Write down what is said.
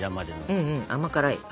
うんうん甘辛い？